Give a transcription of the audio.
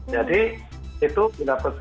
jadi itu tidak berlaku